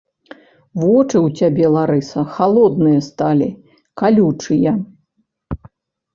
Вочы ў цябе, Ларыса, халодныя сталі, калючыя